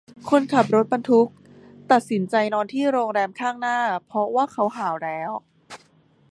คนขับรถบรรทุกตักสินใจนอนที่โรงแรมข้างหน้าเพราะว่าเขาหาวแล้ว